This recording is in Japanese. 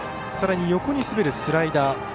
さらに、横に滑るスライダー